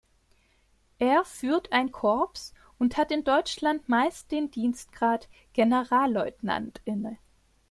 Er führt ein Korps und hat in Deutschland meist den Dienstgrad Generalleutnant inne.